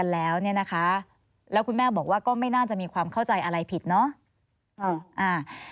แล้วคุณแม่บอกว่าไม่น่าจะมีความเข้าใจอะไรผิดเนาะ